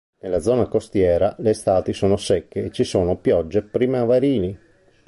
Nella zona costiera le estati sono secche e ci sono piogge primaverili.